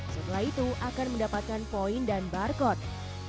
setelah itu akan mendapatkan poin dan barcode